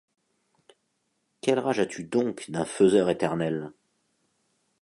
Quelle rage as-tu donc d’un faiseur éternel ?